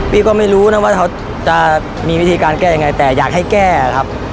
ก็ไม่รู้นะว่าเขาจะมีวิธีการแก้ยังไงแต่อยากให้แก้ครับ